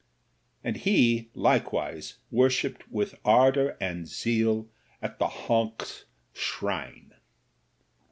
And he, like wise, worshipped with ardour and zeal at the Honks shrine.